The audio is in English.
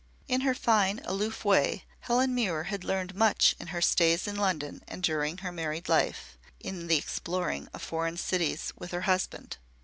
In her fine, aloof way, Helen Muir had learned much in her stays in London and during her married life in the exploring of foreign cities with her husband.